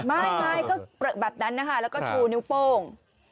ไม่ก็เปลือแบบนั้นนะคะแล้วก็ชูนิ้วโป้ง